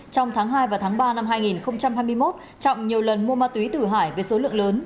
trong tháng hai và tháng ba năm hai nghìn hai mươi một trọng nhiều lần mua ma túy từ hải với số lượng lớn